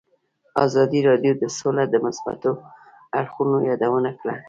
ازادي راډیو د سوله د مثبتو اړخونو یادونه کړې.